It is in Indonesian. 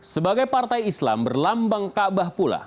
sebagai partai islam berlambang kaabah pula